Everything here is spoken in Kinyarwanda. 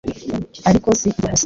Ariko si ibyo gusa,